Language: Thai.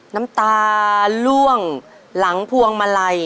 น้ำตาล่วงหลังพวงมาลัย